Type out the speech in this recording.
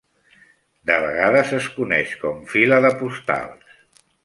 De vegades es coneix com Fila de Postals.